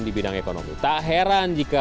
di bidang ekonomi tak heran jika